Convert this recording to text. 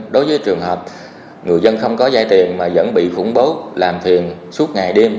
đối với trường hợp người dân không có vai tiền mà vẫn bị phủng bố làm thiền suốt ngày đêm